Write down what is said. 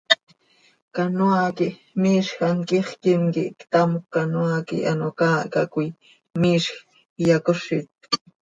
Canoaa quih miizj hant quixquim quih ctamcö canoaa quih ano caahca coi miizj iyacozit.